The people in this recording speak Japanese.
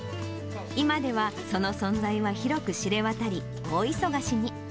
今ではその存在は広く知れ渡り、大忙しに。